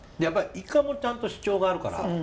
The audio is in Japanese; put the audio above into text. やっぱりイカもちゃんと主張があるから。